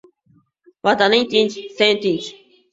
Vataning tinch — sen tinch.